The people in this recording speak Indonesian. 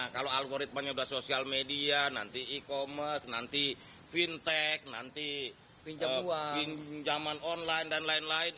kalau algoritmanya sudah sosial media nanti e commerce nanti fintech nanti pinjaman online dan lain lain